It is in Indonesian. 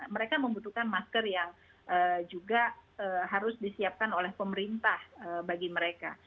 mereka membutuhkan masker yang juga harus disiapkan oleh pemerintah bagi mereka